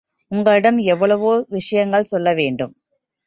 உங்களிடம் எவ்வளவோ விஷயங்கள் சொல்ல வேண்டும்.